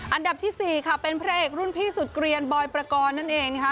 อันดับที่๔ค่ะเป็นพระเอกรุ่นพี่สุดเกลียนบอยประกอบนั่นเองนะคะ